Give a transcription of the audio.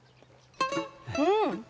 うん！